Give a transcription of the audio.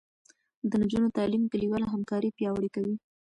د نجونو تعلیم کلیواله همکاري پیاوړې کوي.